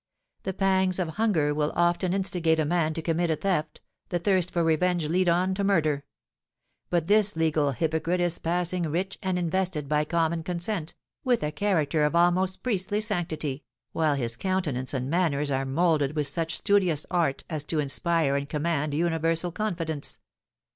The pangs of hunger will often instigate a man to commit a theft, the thirst for revenge lead on to murder; but this legal hypocrite is passing rich, and invested, by common consent, with a character of almost priestly sanctity, while his countenance and manners are moulded with such studious art as to inspire and command universal confidence.